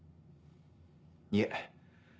いえ。